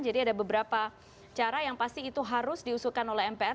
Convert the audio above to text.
jadi ada beberapa cara yang pasti itu harus diusulkan oleh mpr